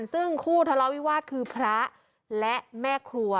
ซึ่งคู่ทะเลาวิวาสคือพระและแม่ครัว